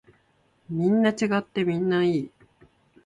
みんな違ってみんないい。